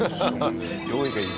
用意がいい。